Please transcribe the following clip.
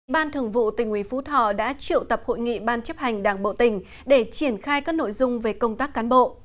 ban thường vụ tỉnh ủy phú thọ đã triệu tập hội nghị ban chấp hành đảng bộ tỉnh để triển khai các nội dung về công tác cán bộ